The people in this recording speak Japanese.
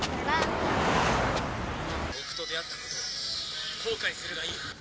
僕と出会ったことを後悔するがいい！